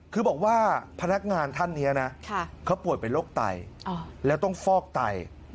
คือบอกว่าพนักงานท่านนี้นะเขาป่วยเป็นโรคไตแล้วต้องฟอกไต